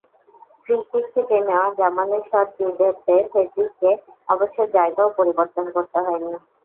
Free kick থেকে নেওয়া জামালের শটটি ধরতে ফেডেরিককে অবশ্য জায়গাও পরিবর্তন করতে হয়নি।